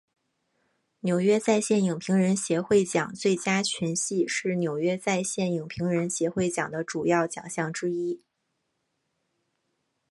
纽约在线影评人协会奖最佳群戏是纽约在线影评人协会奖的主要奖项之一。